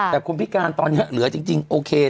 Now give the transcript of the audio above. แต่คนพิการตอนนี้เหลือจริงโอเค